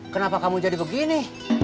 kenapa kamu jadi begini